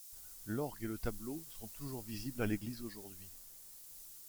L'orgue et le tableau sont toujours visibles à l'église aujourd'hui.